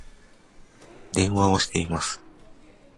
電話をしています